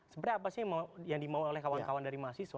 sebenarnya apa sih yang dimau oleh kawan kawan dari mahasiswa